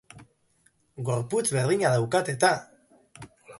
Gorputz berdina daukat eta!